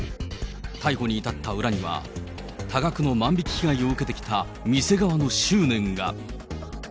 逮捕に至った裏には、多額の万引き被害を受けてきた店側の執念が。